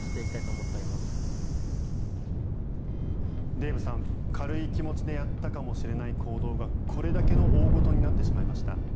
デーブさん軽い気持ちでやったかもしれない行動がこれだけの大ごとになってしまいました。